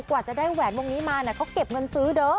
กว่าจะได้แหวนวงนี้มาเขาเก็บเงินซื้อเด้อ